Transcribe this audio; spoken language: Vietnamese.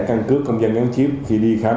cân cước công dân gắn chip khi đi khám